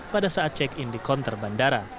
pada saat check in di konter bandara